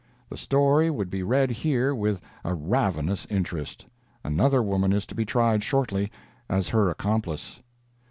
The story would be read here with a ravenous interest. Another woman is to be tried shortly, as her accomplice.